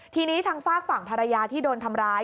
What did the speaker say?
ทีนี้ทางฝากฝั่งภรรยาที่โดนทำร้าย